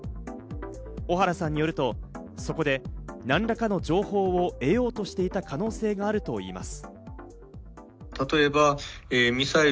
小原さんによると、そこで何らかの情報を得ようとしていた可能性があるといいます。